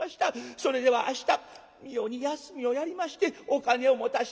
それでは明日みよに休みをやりましてお金を持たして里へ帰して」。